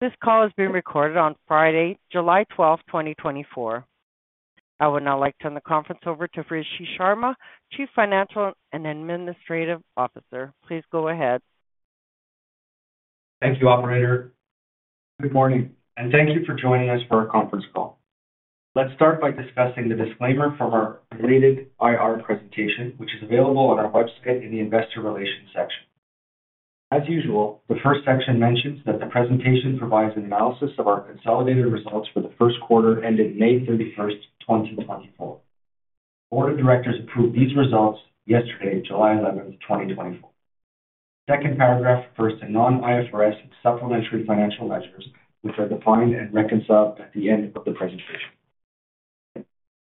This call is being recorded on Friday, July 12, 2024. I would now like to turn the conference over to Rishi Sharma, Chief Financial and Administrative Officer. Please go ahead. Thank you, operator. Good morning, and thank you for joining us for our conference call. Let's start by discussing the disclaimer from our related IR presentation, which is available on our website in the Investor Relations section. As usual, the first section mentions that the presentation provides an analysis of our consolidated results for the Q1 ending May 31st, 2024. Board of Directors approved these results yesterday, July 11, 2024. Second paragraph refers to non-IFRS supplementary financial measures, which are defined and reconciled at the end of the presentation.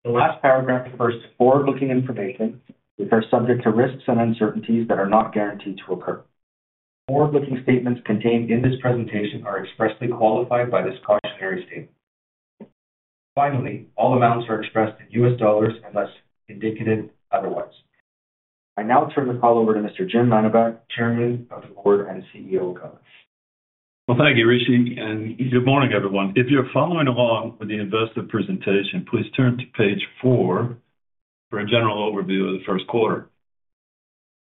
The last paragraph refers to forward-looking information, which are subject to risks and uncertainties that are not guaranteed to occur. Forward-looking statements contained in this presentation are expressly qualified by this cautionary statement. Finally, all amounts are expressed in U.S. dollars unless indicated otherwise. I now turn the call over to Mr. Jim Mannebach, Chairman of the Board and CEO of Velan. Well, thank you, Rishi, and good morning, everyone. If you're following along with the investor presentation, please turn to page four for a general overview of the Q1.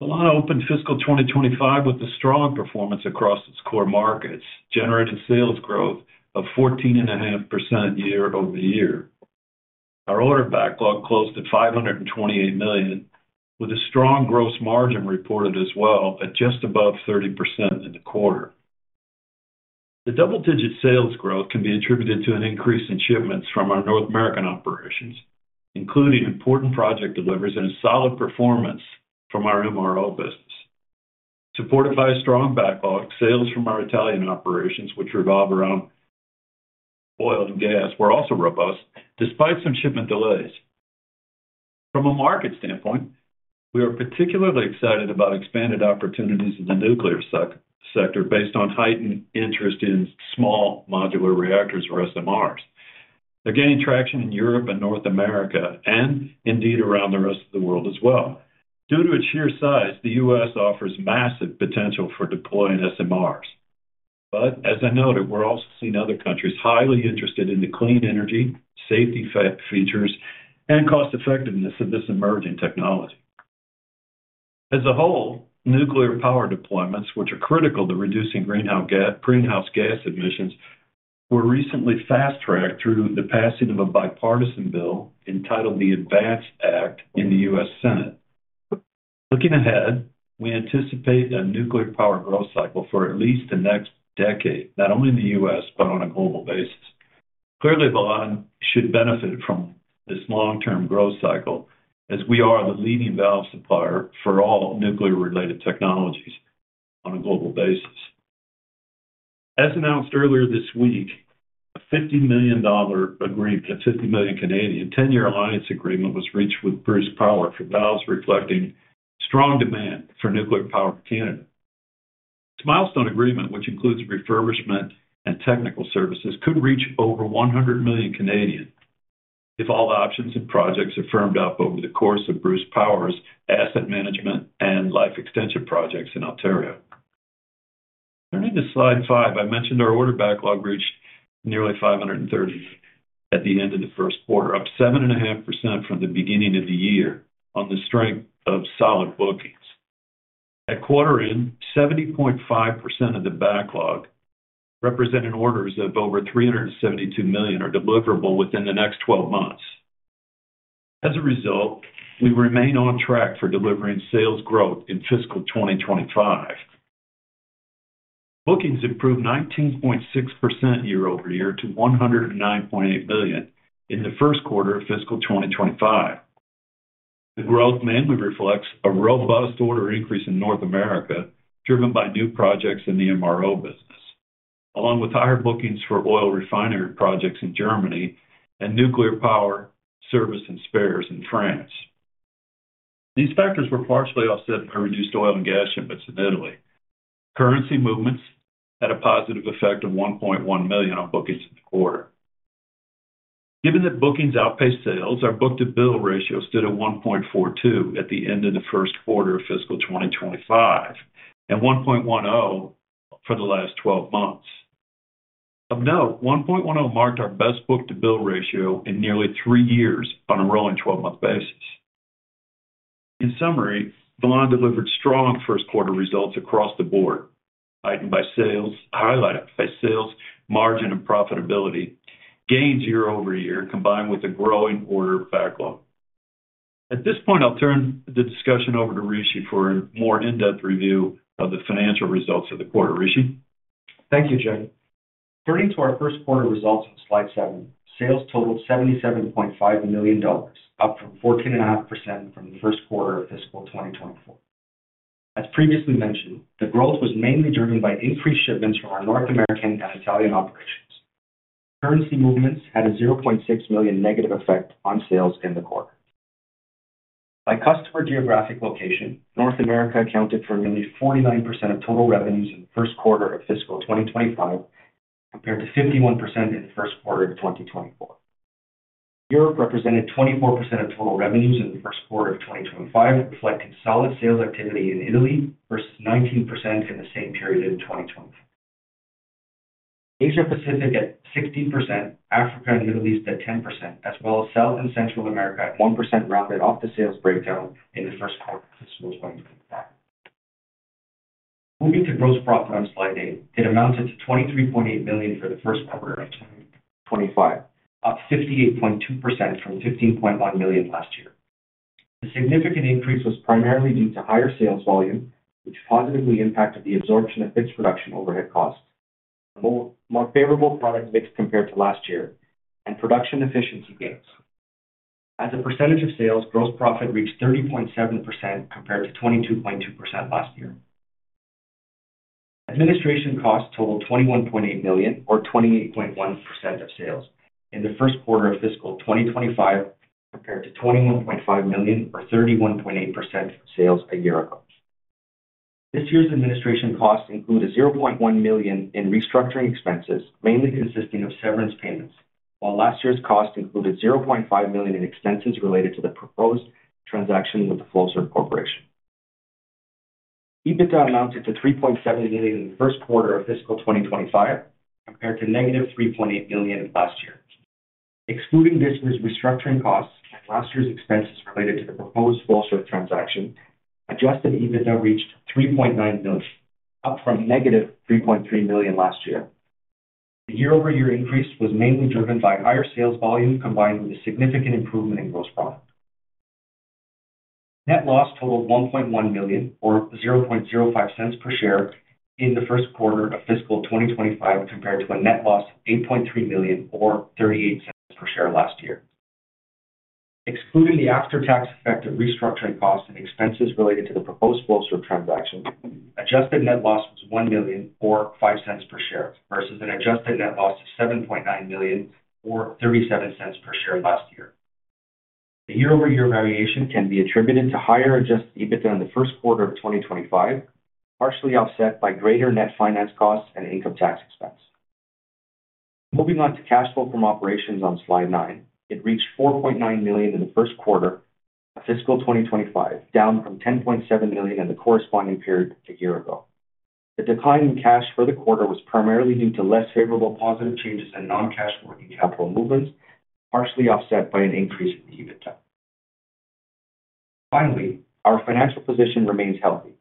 Velan opened fiscal 2025 with a strong performance across its core markets, generating sales growth of 14.5% year-over-year. Our order backlog closed at $528 million, with a strong gross margin reported as well at just above 30% in the quarter. The double-digit sales growth can be attributed to an increase in shipments from our North American operations, including important project deliveries and a solid performance from our MRO business. Supported by a strong backlog, sales from our Italian operations, which revolve around oil and gas, were also robust despite some shipment delays. From a market standpoint, we are particularly excited about expanded opportunities in the nuclear sector based on heightened interest in small modular reactors or SMRs. They're gaining traction in Europe and North America and indeed around the rest of the world as well. Due to its sheer size, the U.S. offers massive potential for deploying SMRs. But as I noted, we're also seeing other countries highly interested in the clean energy, safety features, and cost effectiveness of this emerging technology. As a whole, nuclear power deployments, which are critical to reducing greenhouse gas emissions, were recently fast-tracked through the passing of a bipartisan bill entitled the ADVANCE Act in the U.S. Senate. Looking ahead, we anticipate a nuclear power growth cycle for at least the next decade, not only in the U.S., but on a global basis. Clearly, Velan should benefit from this long-term growth cycle, as we are the leading valve supplier for all nuclear-related technologies on a global basis. As announced earlier this week, a 50 million dollar agreement, a 50 million Canadian dollars 10-year alliance agreement was reached with Bruce Power for valves reflecting strong demand for nuclear power in Canada. This milestone agreement, which includes refurbishment and technical services, could reach over 100 million, if all options and projects are firmed up over the course of Bruce Power's asset management and life extension projects in Ontario. Turning to slide five, I mentioned our order backlog reached nearly $530 million at the end of the Q1, up 7.5% from the beginning of the year on the strength of solid bookings. At quarter end, 70.5% of the backlog, representing orders of over $372 million, are deliverable within the next 12 months. As a result, we remain on track for delivering sales growth in fiscal 2025. Bookings improved 19.6% year-over-year to $109.8 million in the Q1 of fiscal 2025. The growth mainly reflects a robust order increase in North America, driven by new projects in the MRO business, along with higher bookings for oil refinery projects in Germany and nuclear power service and spares in France. These factors were partially offset by reduced oil and gas shipments in Italy. Currency movements had a positive effect of $1.1 million on bookings in the quarter. Given that bookings outpaced sales, our book-to-bill ratio stood at 1.42 at the end of the Q1 of fiscal 2025, and 1.10 for the last 12 months. Of note, 1.10 marked our best book-to-bill ratio in nearly three years on a rolling 12-month basis. In summary, Velan delivered strong Q1 results across the board, heightened by sales, highlighted by sales, margin and profitability, gains year-over-year, combined with a growing order backlog. At this point, I'll turn the discussion over to Rishi for a more in-depth review of the financial results of the quarter. Rishi? Thank you, Jim. Turning to our Q1 results on slide seven, sales totaled $77.5 million, up 14.5% from the Q1 of fiscal 2024. As previously mentioned, the growth was mainly driven by increased shipments from our North American and Italian operations. Currency movements had a $0.6 million negative effect on sales in the quarter. By customer geographic location, North America accounted for nearly 49% of total revenues in the Q1 of fiscal 2025, compared to 51% in the Q1 of 2024. Europe represented 24% of total revenues in the Q1 of 2025, reflecting solid sales activity in Italy versus 19% in the same period in 2020. Asia Pacific at 16%, Africa and Middle East at 10%, as well as South and Central America at 1%, rounded off the sales breakdown in the Q1 of fiscal 2025. Moving to gross profit on slide eight. It amounted to $23.8 million for the Q1 of 2025, up 58.2% from $15.1 million last year. The significant increase was primarily due to higher sales volume, which positively impacted the absorption of fixed production overhead costs, more favorable product mix compared to last year, and production efficiency gains. As a percentage of sales, gross profit reached 30.7% compared to 22.2% last year. Administration costs totaled $21.8 million, or 28.1% of sales in the Q1 of fiscal 2025, compared to $21.5 million or 31.8% of sales a year ago. This year's administration costs include a $0.1 million in restructuring expenses, mainly consisting of severance payments, while last year's costs included $0.5 million in expenses related to the proposed transaction with Flowserve Corporation. EBITDA amounted to $3.7 million in the Q1 of fiscal 2025, compared to -$3.8 million last year. Excluding this year's restructuring costs and last year's expenses related to the proposed Flowserve transaction, adjusted EBITDA reached $3.9 million, up from -$3.3 million last year. The year-over-year increase was mainly driven by higher sales volume, combined with a significant improvement in gross profit. Net loss totaled $1.1 million, or $0.05 per share in the Q1 of fiscal 2025, compared to a net loss of $8.3 million, or $0.38 per share last year. Excluding the after-tax effect of restructuring costs and expenses related to the proposed Flowserve transaction, adjusted net loss was $1 million or $0.05 per share, versus an adjusted net loss of $7.9 million or $0.37 per share last year. The year-over-year variation can be attributed to higher adjusted EBITDA in the Q1 of 2025, partially offset by greater net finance costs and income tax expense. Moving on to cash flow from operations on slide nine. It reached $4.9 million in the Q1 of fiscal 2025, down from $10.7 million in the corresponding period a year ago. The decline in cash for the quarter was primarily due to less favorable positive changes in non-cash working capital movements, partially offset by an increase in EBITDA. Finally, our financial position remains healthy.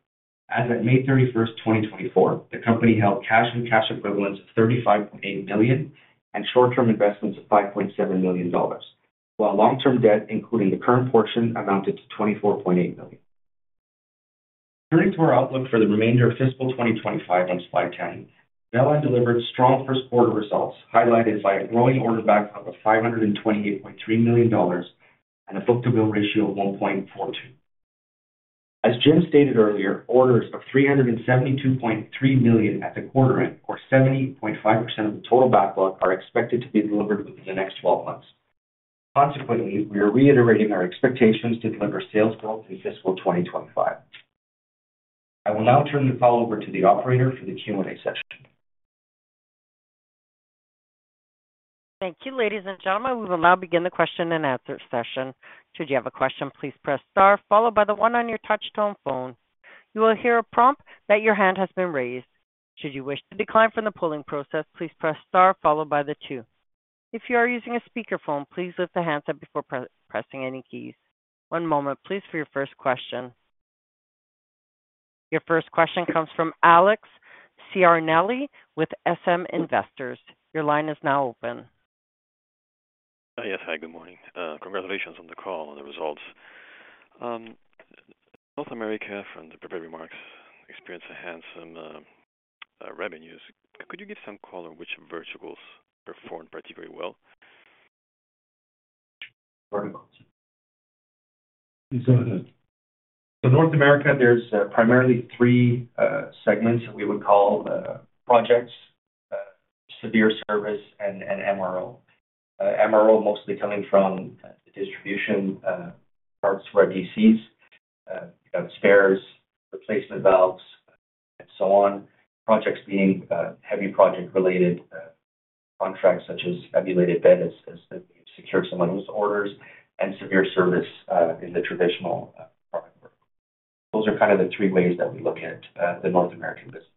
As at May 31st, 2024, the company held cash and cash equivalents of $35.8 million and short-term investments of $5.7 million, while long-term debt, including the current portion, amounted to $24.8 million. Turning to our outlook for the remainder of fiscal 2025 on slide 10. Velan delivered strong Q1 results, highlighted by a growing order backlog of $528.3 million and a book-to-bill ratio of 1.42. As Jim stated earlier, orders of $372.3 million at the quarter end, or 70.5% of the total backlog, are expected to be delivered within the next 12 months. Consequently, we are reiterating our expectations to deliver sales growth in fiscal 2025. I will now turn the call over to the Operator for the Q&A session. Thank you, ladies and gentlemen. We will now begin the question-and-answer session. Should you have a question, please press star followed by the one on your touchtone phone. You will hear a prompt that your hand has been raised. Should you wish to decline from the polling process, please press star followed by the two. If you are using a speakerphone, please lift the handset before pressing any keys. One moment, please, for your first question. Your first question comes from Alex Ciarnelli with SM Investors. Your line is now open. Yes. Hi, good morning. Congratulations on the call and the results. North America, from the prepared remarks, experienced a handsome revenues. Could you give some color which verticals performed particularly well? North America, there's primarily three segments that we would call projects, severe service and MRO. MRO, mostly coming from the distribution, parts for DCs, you know, spares, replacement valves and so on. Projects being heavy project-related contracts, such as fabricated bed, we've secured some orders and severe service in the traditional product. Those are kind of the three ways that we look at the North American business.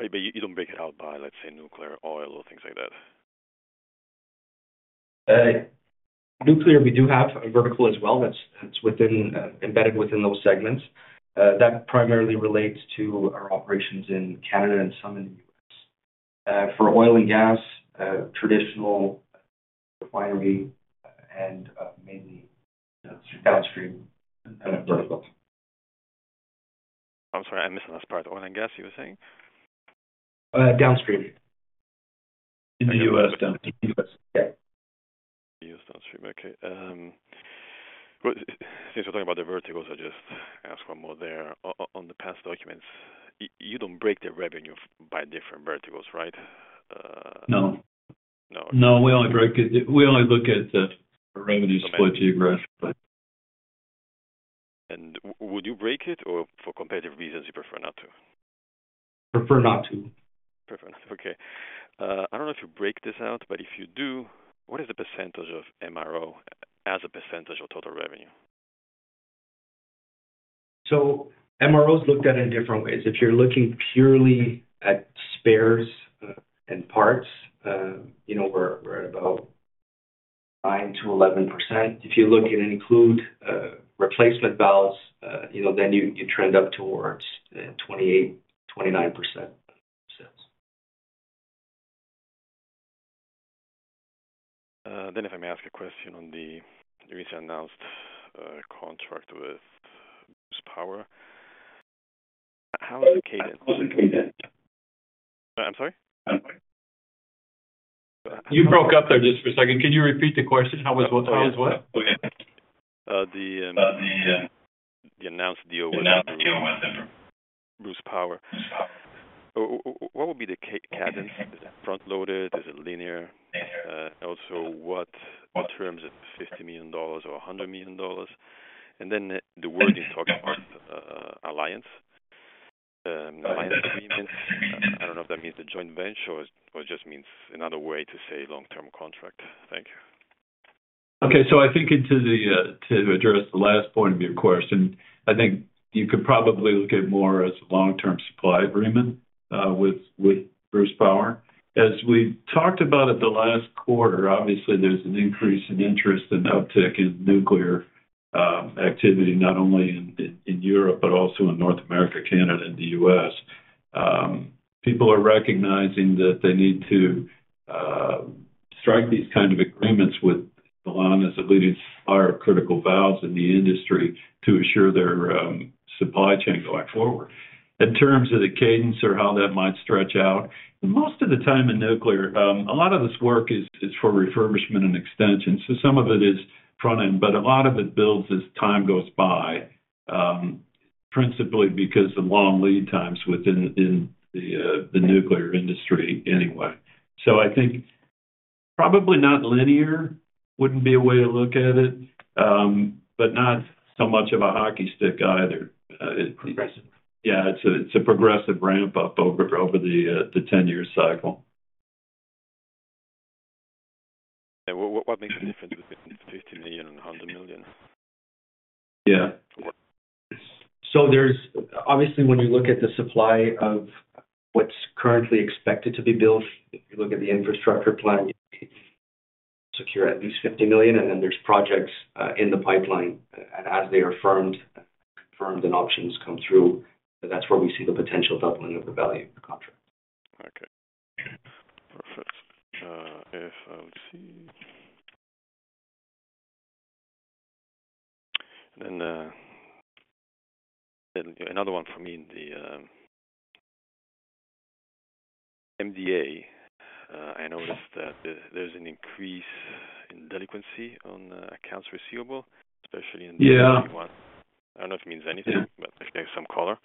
You don't break it out by, let's say, nuclear, oil, things like that? Nuclear, we do have a vertical as well, that's embedded within those segments. That primarily relates to our operations in Canada and some in the U.S. For oil and gas, traditional refinery and mainly downstream verticals. I'm sorry, I missed the last part. Oil and gas, you were saying? Uh, downstream. In the U.S., downstream. U.S., yeah. U.S. downstream. Okay. Well, since we're talking about the verticals, I'll just ask one more there. On the past documents, you don't break the revenue by different verticals, right? No. No, we only look at the revenue split geographically. Would you break it, or for competitive reasons, you prefer not to? Prefer not to. Prefer not to. Okay. I don't know if you break this out, but if you do, what is the percentage of MRO as a percentage of total revenue? So MRO is looked at in different ways. If you're looking purely at spares, and parts, you know, we're at about 9%-11%. If you look at and include, replacement valves, you know, then you trend up towards, 28%-29%. Then, if I may ask a question on the recent announced contract with Bruce Power. How is the cadence? What is the cadence? I'm sorry? You broke up there just for a second. Can you repeat the question? How was what? How was what? Okay. Uh, the, uh- The announced deal with- The announced deal with- Bruce Power. Bruce Power. What would be the cadence? Is it front-loaded? Is it linear? Also, what terms? $50 million or $100 million? And then the word you talked about, alliance. I don't know if that means a joint venture or it just means another way to say long-term contract. Thank you. Okay. So I think into the, to address the last point of your question, I think you could probably look at it more as a long-term supply agreement with Bruce Power. As we talked about at the last quarter, obviously, there's an increase in interest and uptick in nuclear activity, not only in Europe, but also in North America, Canada, and the U.S. People are recognizing that they need to strike these kind of agreements with Velan as a leading supplier of critical valves in the industry to assure their supply chain going forward. In terms of the cadence or how that might stretch out, most of the time in nuclear, a lot of this work is for refurbishment and extension. So some of it is front-end, but a lot of it builds as time goes by, principally because of long lead times within the nuclear industry anyway. So I think probably not linear, wouldn't be a way to look at it, but not so much of a hockey stick either. It- Progressive. Yeah, it's a progressive ramp-up over the 10-year cycle. What makes the difference between $50 million and $100 million? Yeah. So there's obviously, when you look at the supply of what's currently expected to be built, if you look at the infrastructure plan, secure at least $50 million, and then there's projects in the pipeline. And as they are firmed and options come through, that's where we see the potential doubling of the value of the contract. Okay. Perfect. If I would see, then another one for me, the MDA. I noticed that there's an increase in delinquency on accounts receivable, especially in- Yeah. I don't know if it means anything, but if there's some color.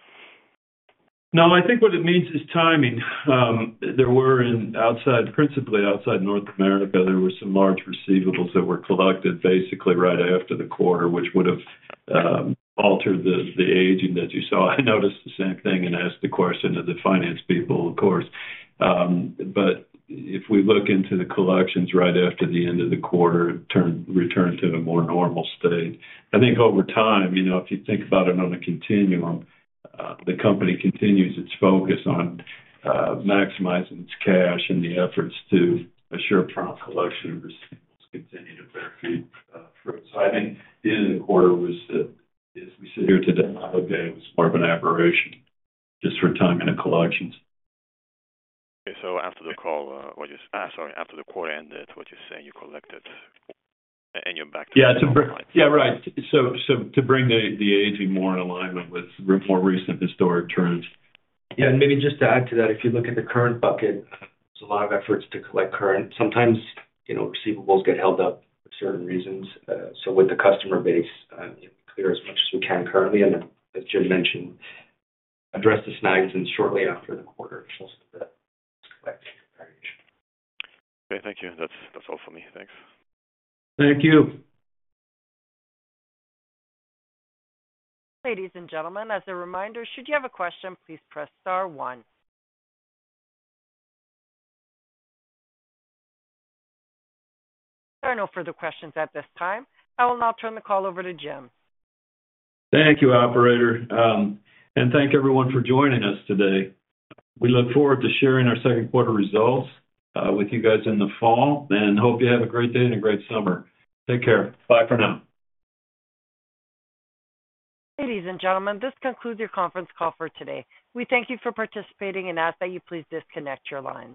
No, I think what it means is timing. There were, outside, principally outside North America, there were some large receivables that were collected basically right after the quarter, which would have altered the, the aging that you saw. I noticed the same thing and asked the question to the finance people, of course. But if we look into the collections right after the end of the quarter, return to the more normal state. I think over time, you know, if you think about it on a continuum, the company continues its focus on maximizing its cash and the efforts to ensure prompt collection of receivables continue to bear fruit. So I think the end of the quarter was, as we sit here today, it was more of an aberration just for timing of collections. Okay. So after the call, sorry, after the quarter ended, what you're saying, you collected and you're back to- Yeah. Yeah, right. So to bring the aging more in alignment with more recent historic trends. Yeah, and maybe just to add to that, if you look at the current bucket, there's a lot of efforts to collect current. Sometimes, you know, receivables get held up for certain reasons. So with the customer base, clear as much as we can currently, and as Jim mentioned, address the snags, and shortly after the quarter, most of that collection. Okay, thank you. That's all for me. Thanks. Thank you. Ladies and gentlemen, as a reminder, should you have a question, please press star one. There are no further questions at this time. I will now turn the call over to Jim. Thank you, operator. Thank you everyone for joining us today. We look forward to sharing our Q2 results with you guys in the fall, and hope you have a great day and a great summer. Take care. Bye for now. Ladies and gentlemen, this concludes your conference call for today. We thank you for participating and ask that you please disconnect your lines.